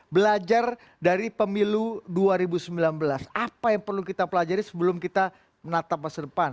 belajar dari pemilu dua ribu sembilan belas apa yang perlu kita pelajari sebelum kita menatap masa depan